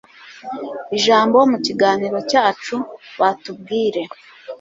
ijambo mu kiganiro cyacu batubwire.